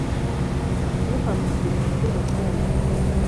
wagiye ukamubwira uburyo umukunda